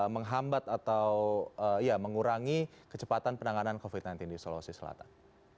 menghambat atau ya mengurangi kecepatan penanganan covid sembilan belas di sulawesi selatan